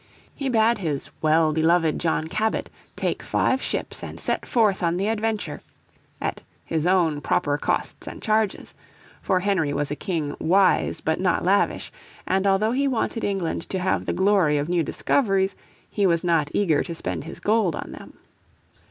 He bade his "well beloved John Cabot" take five ships and set forth on the adventure at his " own proper costs and charges." For Henry was a King "wise but not lavish," and although he wanted England to have the glory of new discoveries he was not eager to spend his gold on them.